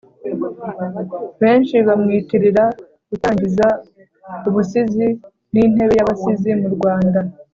Benshi bamwitirira gutangiza ubusizi n’intebe y’abasizi mu Rwanda.